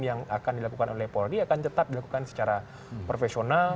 yang akan dilakukan oleh polri akan tetap dilakukan secara profesional